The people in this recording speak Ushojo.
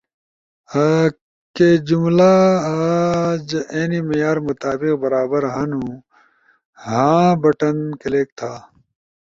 کہ جملہ اجینی معیار مطابق برابر ہنو، ”ہاں“ بٹن کلک تھا۔